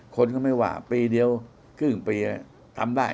คนก็ไม่ว่าปีเดียวครึ่งปีทำได้